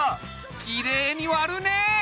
きれいに割るね！